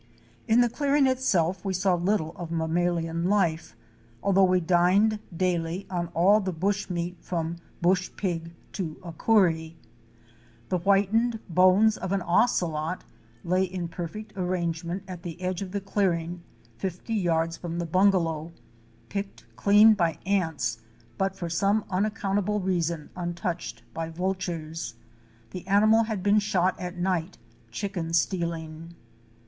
In the clearing itself we saw little of mammalian life, al though we dined daily on all the bush meat from bush pig JUNGLE LIFE AT AREMU. 203 to acourie. The whitened bones of an ocelot lay in perfect arrangement at the edge of the clearing fifty yards from the bungalow, picked clean by ants but for some unaccountable reason untouched by Vultures. The animal had been shot at night, chicken stealing.